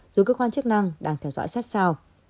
dù cơ quan chức năng đang theo dõi sát sao